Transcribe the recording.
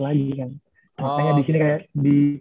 lagi kan makanya disini